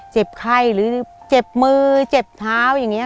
เจ็บไข้หรือเจ็บมือเจ็บเท้าอย่างนี้